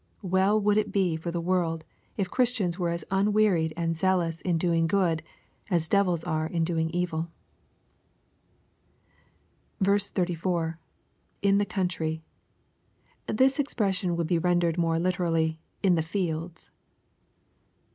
Well would it be for the worlds if Christians were as unwearied and zealous in doing good, as devils are in doing evil 34. — [In ihe country,] This expression would be rendered more literally "in the fields."